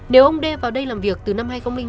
nếu ông d vào đây làm việc từ năm hai nghìn bốn